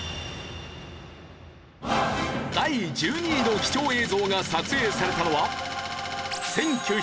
第１２位の貴重映像が撮影されたのは。